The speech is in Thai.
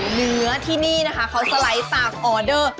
เหนือที่นี่นะคะเขาสไลด์ตามออเดอร์